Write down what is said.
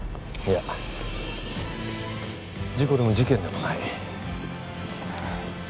いや事故でも事件でもない。